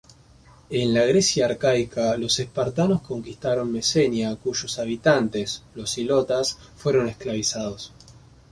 En la Grecia Arcaica los espartanos conquistaron Mesenia cuyos habitantes, los ilotas, fueron esclavizados.